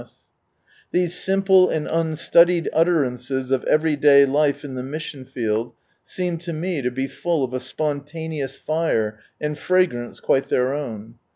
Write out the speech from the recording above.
S. These simple and unstudied utterances of everyday hfc in the mission field seem to me lo be full of a spontaneous fire and fragrance quite their own.